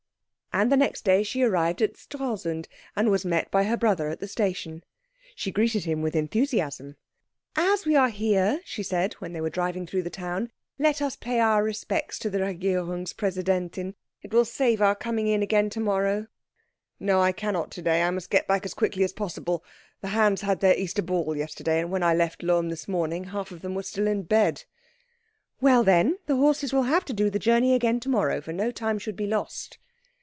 And the next day she arrived at Stralsund, and was met by her brother at the station. She greeted him with enthusiasm. "As we are here," she said, when they were driving through the town, "let us pay our respects to the Regierungspräsidentin. It will save our coming in again to morrow." "No, I cannot to day. I must get back as quickly as possible. The hands had their Easter ball yesterday, and when I left Lohm this morning half of them were still in bed." "Well, then, the horses will have to do the journey again to morrow, for no time should be lost."